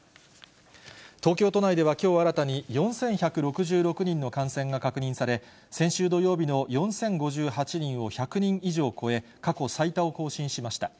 東京都内ではきょう新たに、４１６６人の感染が確認され、先週土曜日の４０５８人を１００人以上超え、過去最多を更新しました。